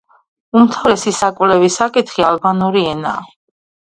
უმთავრესი საკვლევი საკითხი ალბანური ენაა.